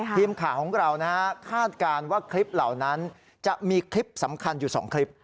ทีมข่าวของเราคาดการณ์ว่าคลิปเหล่านั้นจะมีคลิปสำคัญอยู่๒คลิป